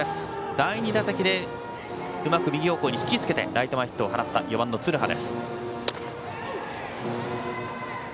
第２打席でうまくひきつけてライト前ヒットを放った４番、鶴羽。